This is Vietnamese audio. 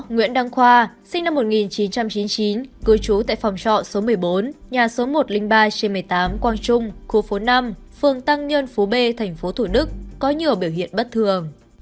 nguyễn đăng khoa sinh năm một nghìn chín trăm chín mươi chín cư trú tại phòng trọ số một mươi bốn nhà số một trăm linh ba trên một mươi tám quang trung khu phố năm phường tăng nhân phố b tp thủ đức có nhiều biểu hiện bất thường